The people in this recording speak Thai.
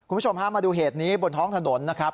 คุณผู้ชมฮะมาดูเหตุนี้บนท้องถนนนะครับ